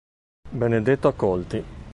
Benedetto Accolti